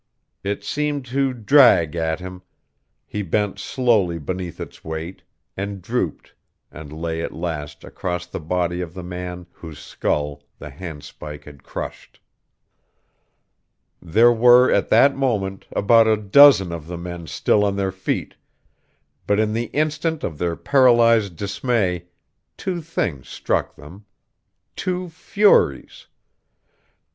It seemed to drag at him; he bent slowly beneath its weight, and drooped, and lay at last across the body of the man whose skull the handspike had crushed. There were, at that moment, about a dozen of the men still on their feet; but in the instant of their paralyzed dismay, two things struck them; two furies ...